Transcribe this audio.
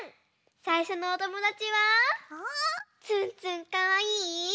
さいしょのおともだちはつんつんかわいいはりねずみさんです。